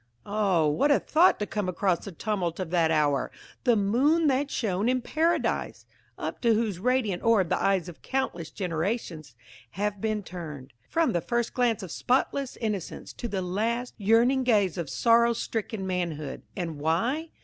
Oh, what a thought to come across the tumult of that hour! The moon that shone in Paradise!–up to whose radiant orb the eyes of countless generations have been turned–from the first glance of spotless innocence, to the last yearning gaze of sorrow stricken manhood! And why?